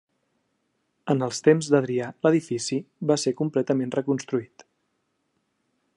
En els temps d'Adrià l'edifici va ser completament reconstruït.